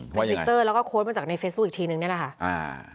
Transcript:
เป็นทวิตเตอร์แล้วก็โพสต์มาจากในเฟซบุ๊คอีกทีนึงนี่แหละค่ะอ่า